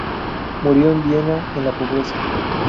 Murió en Viena en la pobreza.